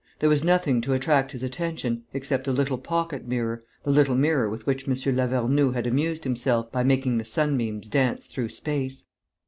There was nothing to attract his attention, except a little pocket mirror, the little mirror with which M. Lavernoux had amused himself by making the sunbeams dance through space.